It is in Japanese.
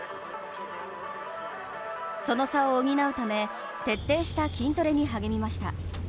その差を補うため、徹底した筋トレに励みました。